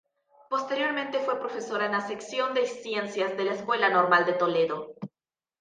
Posteriormente fue profesora en la Sección de Ciencias de la Escuela Normal de Toledo.